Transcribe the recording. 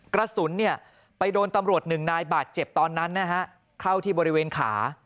กระสุนไปโดนตำรวจหนึ่งนายบาดเจ็บตอนนั้นนะฮะเข้าที่บริเวณขา